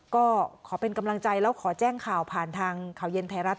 ก็ขอเป็นกำลังใจแล้วขอแจ้งข่าวผ่านทางข่าวเย็นไทยรัฐ